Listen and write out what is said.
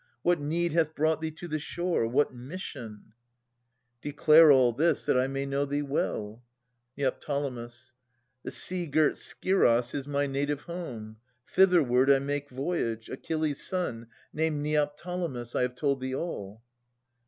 What need hath brought thee to the shore ? What mission ? Declare all this, that I may know thee well. Neo. The sea girt Scyros is my native home. Thitherward I make voyage :— Achilles' son, Named Neoptolemus. — I have told thee all.